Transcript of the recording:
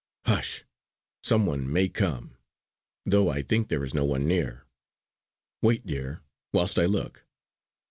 "Hush! Some one may come; though I think there is no one near. Wait dear, whilst I look!"